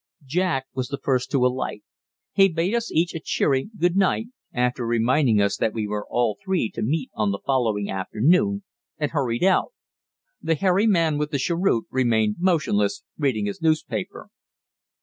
Jack was the first to alight. He bade us each a cheery good night, after reminding us that we were all three to meet on the following afternoon, and hurried out. The hairy man with the cheroot remained motionless, reading his newspaper.